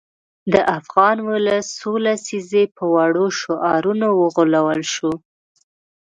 د افغان ولس څو لسیزې په وړو شعارونو وغولول شو.